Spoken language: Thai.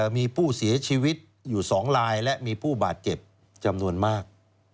มีผู้เสียชีวิตอยู่๒ลายและมีผู้บาดเจ็บจำนวนมาก